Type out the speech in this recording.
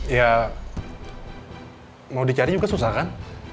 ya mau dicari juga susah kan